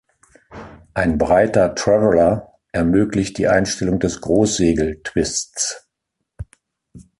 Ein breiter Traveller ermöglicht die Einstellung des Großsegel-Twists.